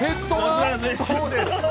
そうです。